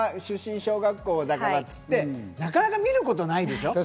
たまたま出身小学校だからっていって、なかなか見ることないでしょ？